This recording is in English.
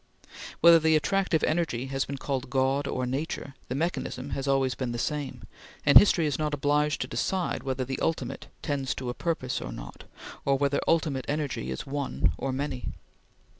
Whether the attractive energy has been called God or Nature, the mechanism has been always the same, and history is not obliged to decide whether the Ultimate tends to a purpose or not, or whether ultimate energy is one or many.